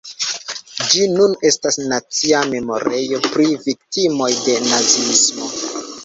Ĝi nun estas nacia memorejo pri viktimoj de naziismo.